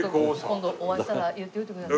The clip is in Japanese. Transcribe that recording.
今度お会いしたら言っておいてください。